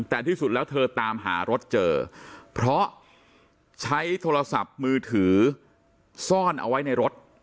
แต่ที่สุดแล้วเธอตามหารถเจอเพราะใช้โทรศัพท์มือถือซ่อนเอาไว้ในรถ